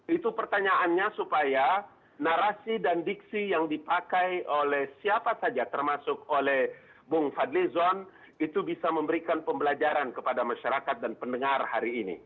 itu pertanyaannya supaya narasi dan diksi yang dipakai oleh siapa saja termasuk oleh bung fadlizon itu bisa memberikan pembelajaran kepada masyarakat dan pendengar hari ini